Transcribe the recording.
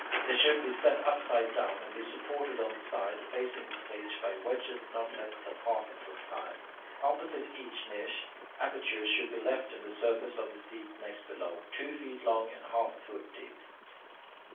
They should be set upside down, and be supported on the side facing the stage by wedges not less than half a foot high. Opposite each niche, apertures should be left in the surface of the seat next below, two feet long and half a foot deep.